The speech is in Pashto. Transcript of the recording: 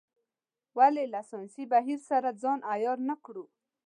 ولې له ساینسي بهیر سره ځان عیار نه کړو.